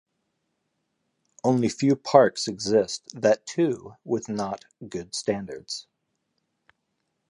Only few parks exist that too with not good standards.